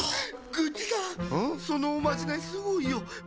グッチさんそのおまじないすごいよ。